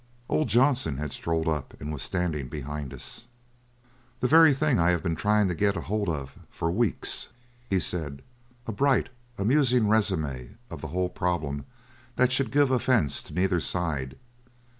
"Old Johnson had strolled up and was standing behind us. "'The very thing I have been trying to get hold of for weeks,' he said—'a bright, amusing resumé of the whole problem that should give offence to neither side.